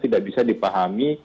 tidak bisa dipahami